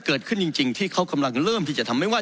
เกิดขึ้นจริงที่เขากำลังเริ่มที่จะทำไม่ว่า